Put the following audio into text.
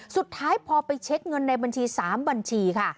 สุดท้ายพอไปเช็คเงินในบัญชี๓บัญชีค่ะ